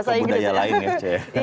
itu masuk ke budaya lain ya